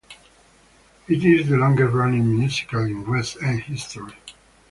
It is the longest-running musical in West End history.